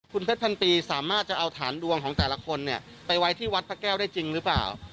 คุณเพชรพันปีสามารถจะเอาฐานดวงของแต่ละคนเนี่ยไปไว้ที่วัดพระแก้วได้จริงหรือเปล่า